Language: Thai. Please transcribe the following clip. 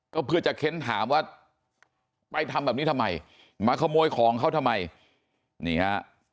ก็เพื่อจะเค้นถามว่าไปทำแบบนี้ทำไมมาขโมยของเขาทำไมนี่ฮะ